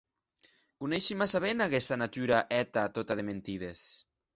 Coneishi massa ben aguesta natura hèta tota de mentides!